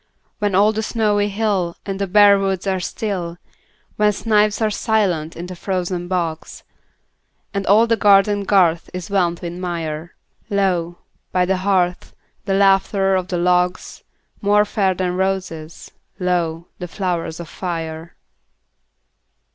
When all the snowy hill And the bare woods are still; When snipes are silent in the frozen bogs, And all the garden garth is whelmed in mire, Lo, by the hearth, the laughter of the logs— More fair than roses, lo, the flowers of fire!